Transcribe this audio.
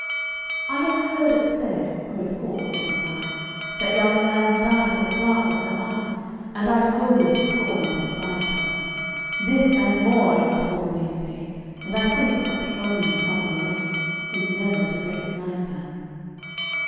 "I have heard it said," quoth Hawk, with a sigh, "That young lambs died at the glance of her eye, And I wholly scorn and despise her. This, and more, I am told they say, And I think that the only proper way Is never to recognize her."